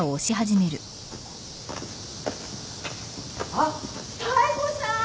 ・あっ妙子さん！